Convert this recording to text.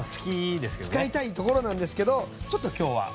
使いたいところなんですけどちょっと今日は。